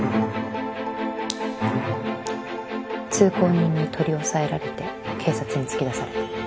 通行人に取り押さえられて警察に突き出された。